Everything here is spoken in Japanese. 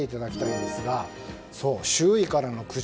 そう、周囲からの苦情。